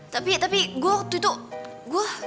tapi tapi gue waktu itu gue